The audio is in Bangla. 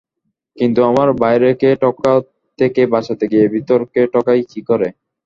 কিন্তু আমার বাইরেকে ঠকা থেকে বাঁচাতে গিয়ে ভিতরকে ঠকাই কী করে?